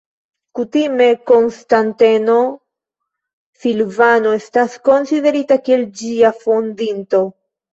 Kutime Konstanteno Silvano estas konsiderita kiel ĝia fondinto.